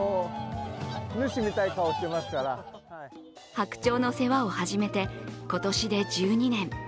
白鳥の世話を始めて今年で１２年。